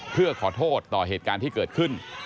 เพื่อขอโทษต่อเหตุการณ์ที่เกิดขึ้น